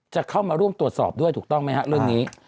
จะเข้ามาร่วมตรวจสอบด้วยถูกต้องไหมฮะเรื่องนี้